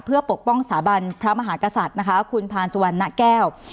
เพื่อปกป้องสถาบันพระมหากษัตริย์นะคะคุณพานสุวรรณแก้ว